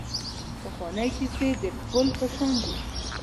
پخوانۍ کیسې د پل په شان دي .